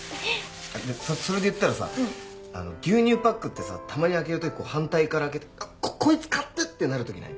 それで言ったらさ牛乳パックってさたまに開ける時反対から開けて「こいつかたっ」ってなる時ない？